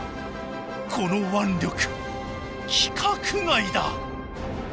この腕力規格外だ！